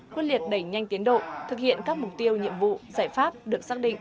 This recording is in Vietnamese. quyết liệt đẩy nhanh tiến độ thực hiện các mục tiêu nhiệm vụ giải pháp được xác định